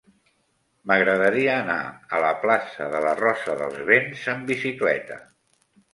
M'agradaria anar a la plaça de la Rosa dels Vents amb bicicleta.